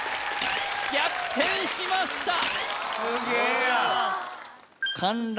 逆転しました！